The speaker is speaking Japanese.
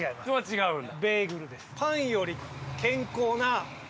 違うんだ。